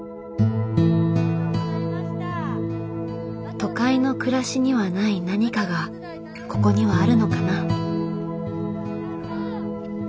都会の暮らしにはない何かがここにはあるのかな。